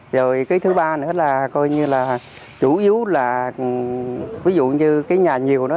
rồi cái thứ ba nữa là coi như là chủ yếu là ví dụ như cái nhà nhiều đó